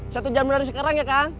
satu jam dari sekarang ya kan